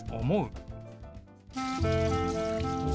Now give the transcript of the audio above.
「思う」。